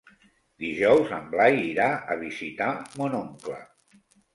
Dijous en Blai irà a visitar mon oncle.